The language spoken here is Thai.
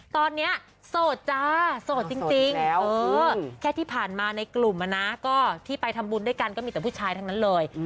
ตอนนี้โสดจ้าโสดจริงแค่ที่ผ่านมาในกลุ่มที่ไปทำบุญด้วยกันก็มีแต่ผู้ชายทั้งนั้นเลย